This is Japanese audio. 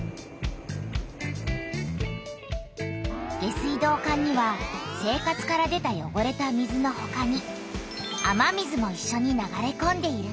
下水道管には生活から出たよごれた水のほかに雨水もいっしょに流れこんでいる。